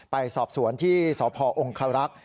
ไปสอบสวนที่สพองคารักษ์